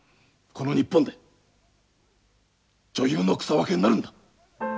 この日本で女優の草分けになるんだ。